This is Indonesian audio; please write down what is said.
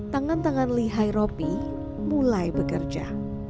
tangan tangan lihai ropi mulai bekerja